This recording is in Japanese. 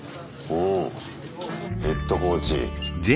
うんヘッドコーチ。